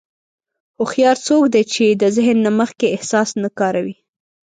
هوښیار څوک دی چې د ذهن نه مخکې احساس نه کاروي.